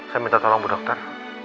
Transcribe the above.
saya minta tolong bu dokter